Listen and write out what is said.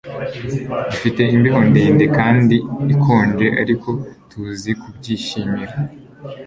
Dufite imbeho ndende kandi ikonje ariko tuzi kubyishimira